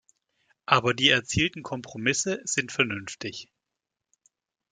Aber die erzielten Kompromisse sind vernünftig.